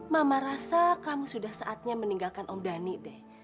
mama rasa kamu sudah saatnya meninggalkan om dhani deh